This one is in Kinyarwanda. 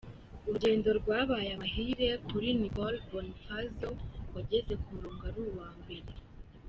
rugendo rwabaye amahire kuri Niccolo Bonifazio wageze ku murongo ari uwa mbere